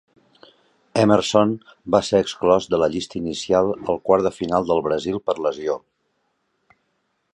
Emerson va ser exclòs de la llista inicial al quart de final del Brasil per lesió.